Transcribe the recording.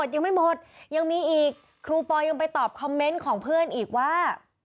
ยังไม่หมดยังมีอีกครูปอยยังไปตอบคอมเมนต์ของเพื่อนอีกว่า